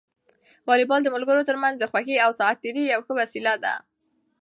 واليبال د ملګرو ترمنځ د خوښۍ او ساعت تېري یوه ښه وسیله ده.